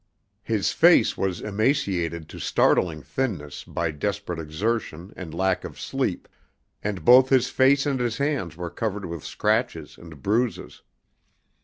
His face was emaciated to startling thinness by desperate exertion and lack of sleep, and both his face and his hands were covered with scratches and bruises.